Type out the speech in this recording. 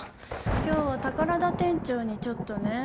今日は宝田店長にちょっとね。